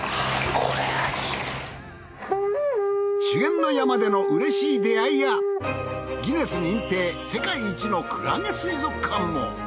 修験の山でのうれしい出会いやギネス認定世界一のクラゲ水族館も！